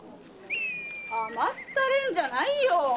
甘ったれんじゃないよ！